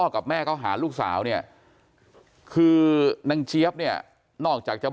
กับแม่เขาหาลูกสาวเนี่ยคือนางเจี๊ยบเนี่ยนอกจากจะ